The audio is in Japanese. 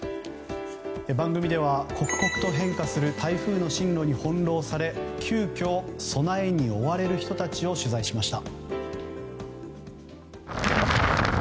番組では刻々と変化する台風の進路に翻弄され急きょ、備えに追われる人たちを取材しました。